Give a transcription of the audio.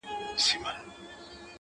• پخوا د كلي په گودر كي جـادو.